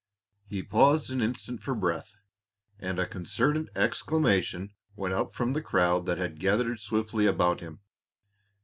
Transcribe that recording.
He paused an instant for breath, and a concerted exclamation went up from the crowd that had gathered swiftly about him.